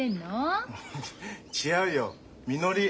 違うよみのり。